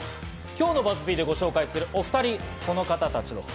今日のＢＵＺＺ−Ｐでご紹介するお２人、この方たちです。